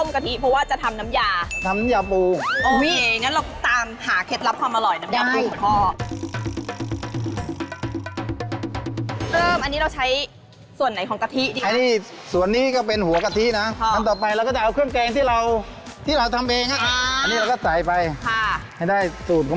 กรุงแทงพ่อนี่คือกรุงแทงเข้าอ่ะมันไม่เหม็นเค็ม